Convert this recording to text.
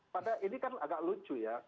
padahal ini kan agak lucu ya